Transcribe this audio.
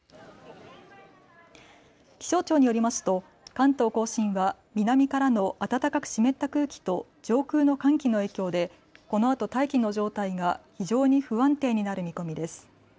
気象庁によりますと関東甲信は南からの暖かく湿った空気と上空の寒気の影響でこのあと大気の状態が非常に不安定になる見込みです。